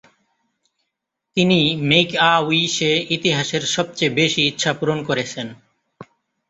তিনি মেইক-আ-উইশে ইতিহাসের সবচেয়ে বেশি ইচ্ছা পূরণ করেছেন।